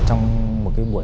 trong một cái bộ phim này